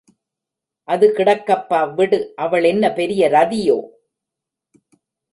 அது கிடக்கப்பா விடு அவள் என்ன பெரிய ரதியோ?